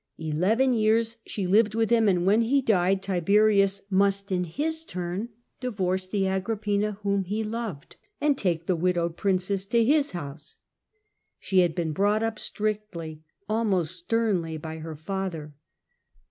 Eleven years she lived with him, and when he died Tiberius must in his turn divorce the Agrippina whom he loved and take the widowed princess to his house. She had been brought up strictly, almost sternly by her father.